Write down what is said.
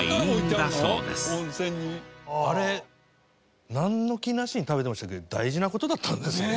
あれなんの気なしに食べてましたけど大事な事だったんですね